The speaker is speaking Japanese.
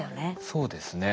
そうですね。